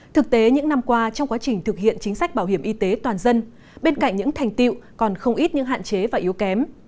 thực tế những năm qua trong quá trình thực hiện chính sách bảo hiểm y tế toàn dân bên cạnh những thành tiệu còn không ít những hạn chế và yếu kém